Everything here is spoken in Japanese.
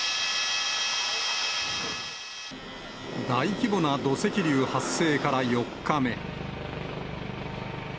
大規模な土石流発生から４日目。